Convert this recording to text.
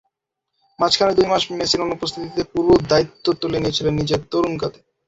মাঝখানে দুই মাস মেসির অনুপস্থিতিতে পুরো দায়িত্ব তুলে নিয়েছিলেন নিজের তরুণ কাঁধে।